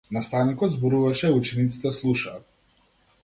Наставникот зборуваше а учениците слушаа.